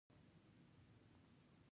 زړه مي غواړي چي کور ته ولاړ سم.